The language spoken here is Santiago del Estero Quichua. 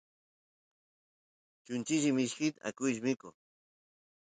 chunchilli mishki akush mikoq